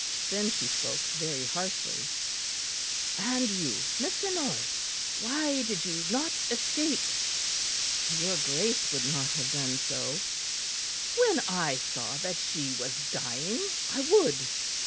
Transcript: Then she spoke very harshly: "And you, Mr. Norris, why did you not escape?" "Your Grace would not have done so." "When I saw that she was dying, I would."